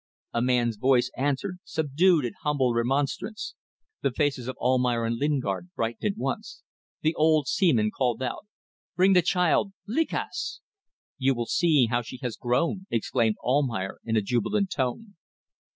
A man's voice answered, subdued, in humble remonstrance. The faces of Almayer and Lingard brightened at once. The old seaman called out "Bring the child. Lekas!" "You will see how she has grown," exclaimed Almayer, in a jubilant tone.